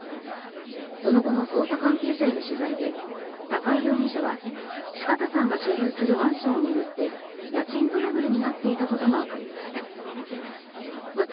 その後の捜査関係者への取材で高井容疑者は四方さんが所有するマンションを巡って家賃トラブルになっていたことがわかりました。